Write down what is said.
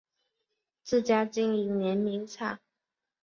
自家经营碾米厂